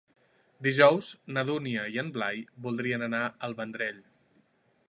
Dijous na Dúnia i en Blai voldrien anar al Vendrell.